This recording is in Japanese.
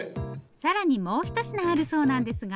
更にもうひと品あるそうなんですが。